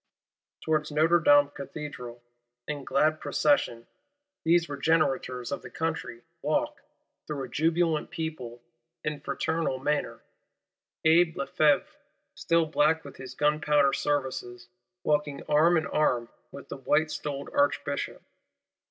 _ Towards Notre Dame Cathedral, in glad procession, these Regenerators of the Country walk, through a jubilant people; in fraternal manner; Abbé Lefevre, still black with his gunpowder services, walking arm in arm with the white stoled Archbishop.